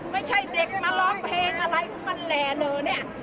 ไม่ใช่เด็กมาร้องเพลงอะไรของมันแหล่เหลอเนี่ย